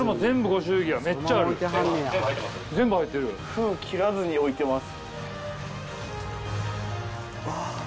封切らずに置いてます。